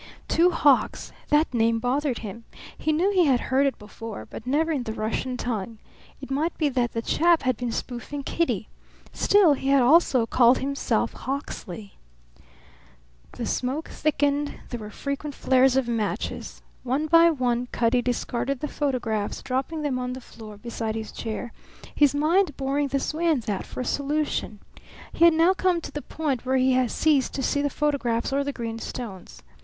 Two Hawks. That name bothered him. He knew he had heard it before, but never in the Russian tongue. It might be that the chap had been spoofing Kitty. Still, he had also called himself Hawksley. The smoke thickened; there were frequent flares of matches. One by one Cutty discarded the photographs, dropping them on the floor beside his chair, his mind boring this way and that for a solution. He had now come to the point where he ceased to see the photographs or the green stones.